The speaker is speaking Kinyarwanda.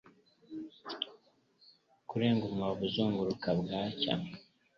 Kurenga umwobo uzunguruka bwacya